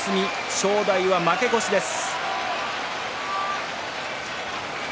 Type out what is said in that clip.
正代は負け越しです。